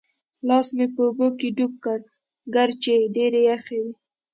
لاس مې په اوبو کې ډوب کړ چې ډېرې یخې وې.